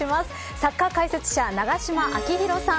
サッカー解説者、永島昭浩さん